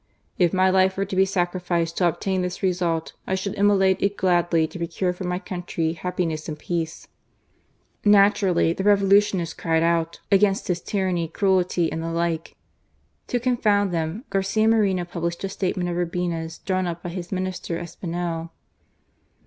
If my life were to be sacrificed to obtain this result I should immolate it gladly to procure for my country happi ness and peace," Naturally, the Revolutionists cried out against his tyranny, cruelty, and the like. To confound them, Garcia Moreno published a statement of Urbina's, drawn up by his Minister Espinel.